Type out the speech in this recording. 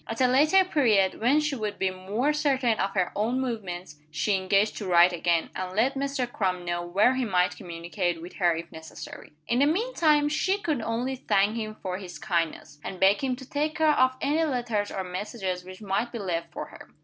At a later period, when she would be more certain of her own movements, she engaged to write again, and let Mr. Crum know where he might communicate with her if necessary. In the mean time, she could only thank him for his kindness, and beg him to take care of any letters or messages which might be left for her.